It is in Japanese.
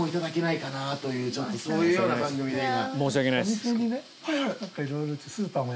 そういうような番組で今。